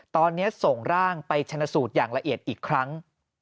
ตอนนี้ส่งร่างไปชนะสูตรอย่างละเอียดอีกครั้ง